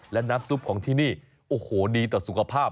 และน้ำซุปของที่นี่ดีแต่สุขภาพ